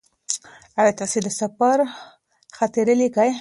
ایا تاسې د سفر خاطرې لیکئ؟